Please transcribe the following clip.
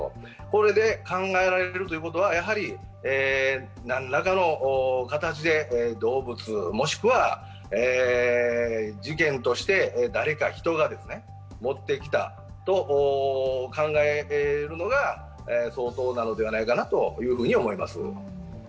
これで考えられることはやはり、何らかの形で動物、もしくは事件として誰か人が持ってきたと考えるのが相当なのではないかなと思います。